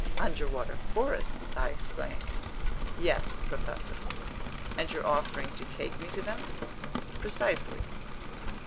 "Underwater forests!" I exclaimed. "Yes, professor." "And you're offering to take me to them?" "Precisely."